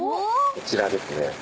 こちらですね。